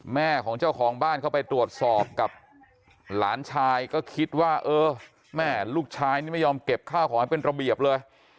แม่ของเจ้าของบ้านเข้าไปตรวจสอบกับหลานชายก็คิดว่าเออแม่ลูกชายนี่ไม่ยอมเก็บข้าวของให้เป็นระเบียบเลย